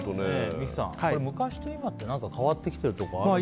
三木さん、昔と今って変わってきているところはあるんですか。